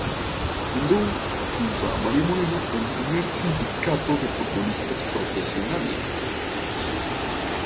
Fundó, junto a Mario Moreno, el primer Sindicato de Futbolistas Profesionales.